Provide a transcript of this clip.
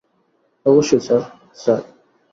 অবশ্যই sir, sir?